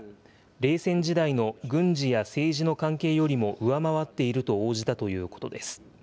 冷戦時代の軍事や政治の関係よりも上回っていると応じたということです。